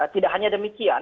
tidak hanya demikian